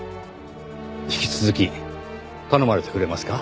引き続き頼まれてくれますか？